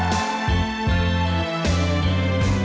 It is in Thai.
ขอบคุณครับ